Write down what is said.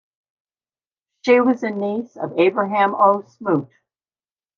She was a niece of Abraham O. Smoot.